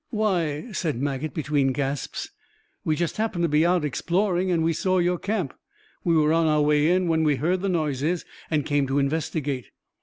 "Why," said Maget, between gasps, "we just happened to be out exploring, and we saw your camp. We were on our way in when we heard the noises and came to investigate."